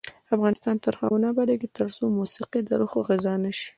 افغانستان تر هغو نه ابادیږي، ترڅو موسیقي د روح غذا نشي.